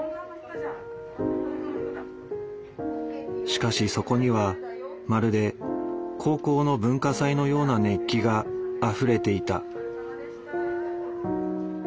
しかしそこにはまるで高校の文化祭のような熱気があふれていた。